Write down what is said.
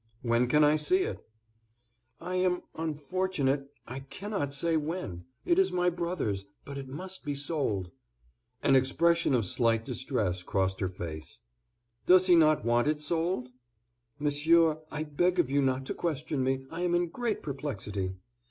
"When can I see it?" "I am unfortunate—I cannot say when. It is my brother's—but it must be sold." An expression of slight distress crossed her face. "Does he not want it sold?" "Monsieur, I beg of you not to question me; I am in great perplexity."